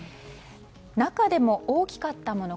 中でも、大きかったもの。